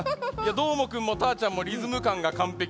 どーもくんもたーちゃんもリズムかんがかんぺきで。